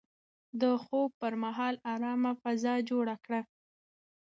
د خوب پر مهال ارامه فضا جوړه کړئ.